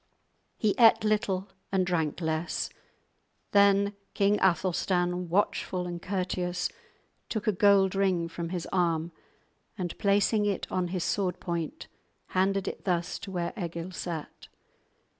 He ate little and drank less. Then King Athelstan, watchful and courteous, took a gold ring from his arm, and placing it on his sword point, handed it thus to where Egil sat.